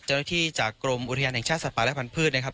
เจ้าหน้าที่จากกรมอุทยานแห่งชาติสัตว์ป่าและพันธุ์นะครับ